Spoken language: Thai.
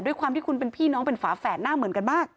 ด้วยความที่คุณเป็นพี่น้องเป็นฝาแฝดหน้าเหมือนกันมาก